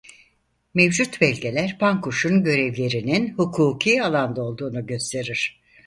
Mevcut belgeler Pankuş'un görevlerinin hukuki alanda olduğunu gösterir.